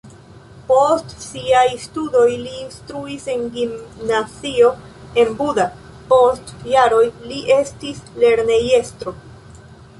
Post siaj studoj li instruis en gimnazio en Buda, post jaroj li estis lernejestro.